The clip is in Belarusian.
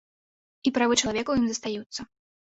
І правы чалавека ў ім застаюцца.